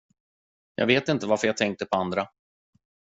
Jag vet inte varför jag tänkte på andra.